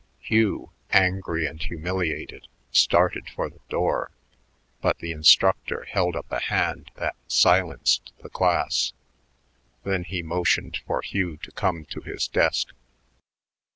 Hugh, angry and humiliated, started for the door, but the instructor held up a hand that silenced the class; then he motioned for Hugh to come to his desk.